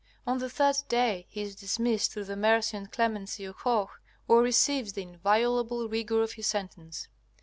On the third day he is dismissed through the mercy and clemency of Hoh, or receives the inviolable rigor of his sentence.